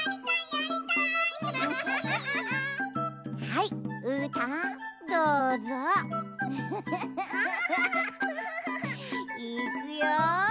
いくよ。